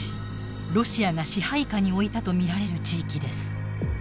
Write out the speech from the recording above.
ロシアが支配下に置いたと見られる地域です。